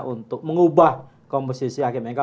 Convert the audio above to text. untuk mengubah komposisi hakim mk